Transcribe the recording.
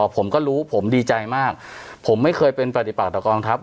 ผมก็รู้ผมดีใจมากผมไม่เคยเป็นประดิษฐ์ปรากฏกรอันทรัพย์